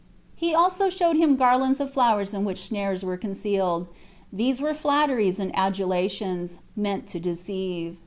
He also showed him garlands of flowers in which snares were concealed; these were flatteries and adulations, meant to deceive.